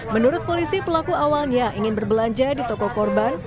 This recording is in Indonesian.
menurut polisi pelaku awalnya ingin berbelanja di toko korban